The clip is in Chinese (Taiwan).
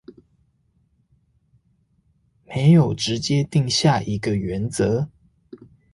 沒有直接定下一個原則